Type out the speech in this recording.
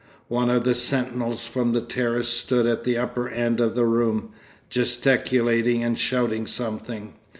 One of the sentinels from the terrace stood at the upper end of the room, gesticulating and shouting something.